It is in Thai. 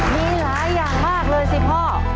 มีหลายอย่างมากเลยสิพ่อ